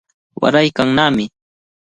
Waraykannami.